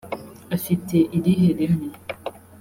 afite irihe reme